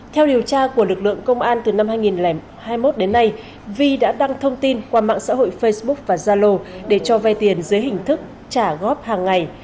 theo điều tra của lực lượng công an từ năm hai nghìn hai mươi một đến nay vi đã đăng thông tin qua mạng xã hội facebook và zalo để cho vay tiền dưới hình thức trả góp hàng ngày